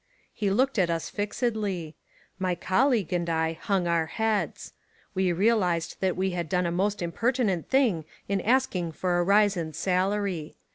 He looked at us fixedly. My col league and I hung our heads. We realised that we had done a most impertinent thing in ask ing for a rise in salary.